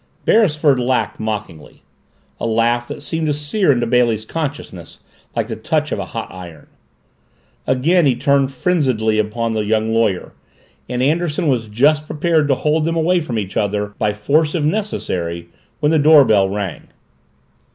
Beresford laughed mockingly a laugh that seemed to sear into Bailey's consciousness like the touch of a hot iron. Again he turned frenziedly upon the young lawyer and Anderson was just preparing to hold them away from each other, by force if necessary, when the doorbell rang.